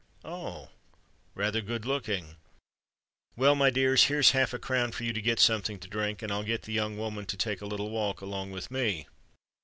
Oh! rather good looking. Well, my dears—here's half a crown for you to get something to drink—and I'll get the young woman to take a little walk along with me."